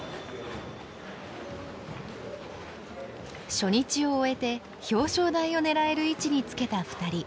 初日を終えて表彰台を狙える位置につけた２人。